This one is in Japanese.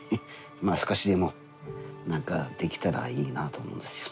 まあ少しでも何かできたらいいなと思うんですよね。